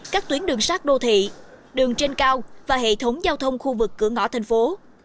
các tuyến đường sát đô thị đường trên cao và hệ thống giao thông khu vực cửa ngõ thành phố